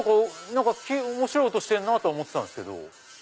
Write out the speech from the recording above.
面白い音してるなぁとは思ってたんですけど。